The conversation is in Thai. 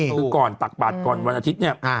คือก่อนตักบาทก่อนวันอาทิตย์เนี่ย